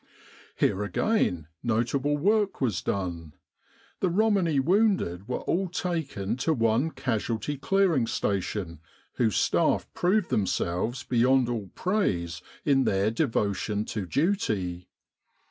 Here again notable work was done. The Romani wounded were all taken to one Casualty Clearing Station whose staff proved them selves beyond <fell praise in their devotion to duty.